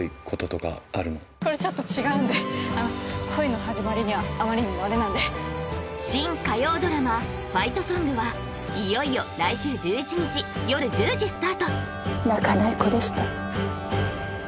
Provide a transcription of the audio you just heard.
これちょっと違うんで恋の始まりにはあまりにもあれなんで新火曜ドラマ「ファイトソング」はいよいよ来週１１日夜１０時スタート・泣かない子でした